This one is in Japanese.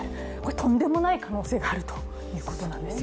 とんでもない可能性があるということなんですよ。